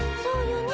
「そうよね